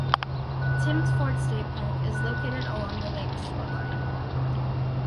Tims Ford State Park is located along the lake's shoreline.